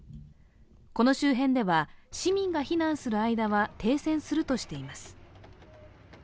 この周辺では市民が避難する間は停戦するとしています。